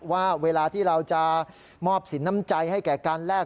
ว่าเวลาที่เราจะมอบสินน้ำใจให้แก่การแลก